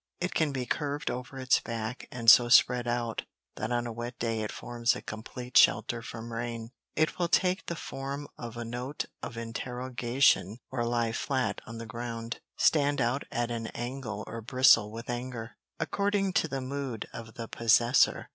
It can be curved over its back and so spread out that on a wet day it forms a complete shelter from rain. It will take the form of a note of interrogation or lie flat on the ground, stand out at an angle or bristle with anger, according to the mood of the possessor.